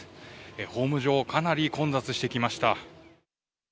ホーム上、かなり混雑してきました。